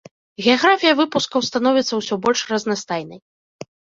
Геаграфія выпускаў становіцца ўсё больш разнастайнай.